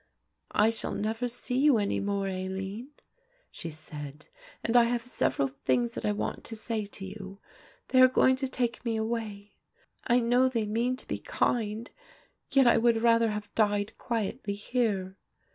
"I shall never see you any more, Aline," she said. "And I have several things that I want to say to you. They are going to take me away. I know they mean to be kind, yet I would rather have died quietly here.